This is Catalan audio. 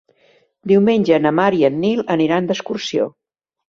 Diumenge na Mar i en Nil aniran d'excursió.